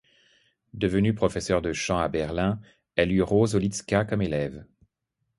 Devenue professeur de chant, à Berlin, elle eut Rose Olitzka comme élève.